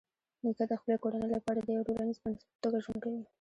نیکه د خپلې کورنۍ لپاره د یوه ټولنیز بنسټ په توګه ژوند کوي.